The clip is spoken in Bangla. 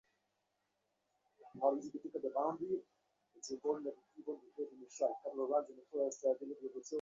আমি মনে কোনো দুঃখ আসিতে দিই না, আমি ভালোই আছি ভাই!